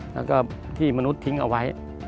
แล้วก็ที่มนุษย์ทิ้งเอาไว้